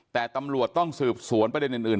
แต่ตำรวจต้องสืบสวนประเด็นอื่น